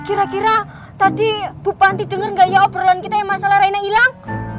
kira kira tadi ibu panti denger gak ya obrolan kita ya masalah rina hilang